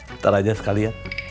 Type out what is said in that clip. bentar aja sekali ya